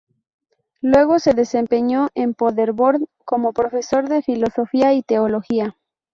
Luego se desempeñó en Paderborn como profesor de filosofía y teología.